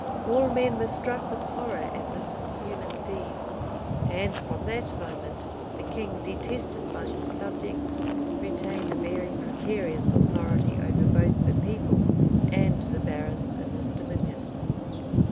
All men were struck with horror at this inhuman deed; and from that moment the king, detested by his subjects, retained a very precarious authority over both the people and the barons in his dominions.